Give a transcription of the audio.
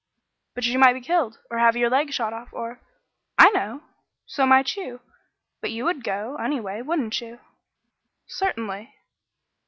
"But you might be killed, or have your leg shot off or " "I know. So might you but you would go, anyway wouldn't you?" "Certainly."